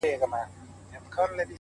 سړې اوږدې شپې به یې سپیني کړلې!